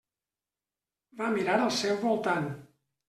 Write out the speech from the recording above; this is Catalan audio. Va mirar al seu voltant.